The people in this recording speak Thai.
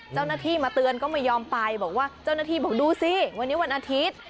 เจ้าหน้าที่มาเตือนก็ไม่ยอมไปบอกว่าเจ้าหน้าที่บอกดูสิวันนี้วันอาทิตย์